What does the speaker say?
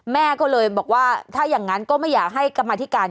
แม่ก็เลยบอกว่าถ้าอย่างนั้นก็ไม่อยากให้กรรมธิการ